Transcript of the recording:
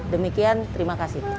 demikian terima kasih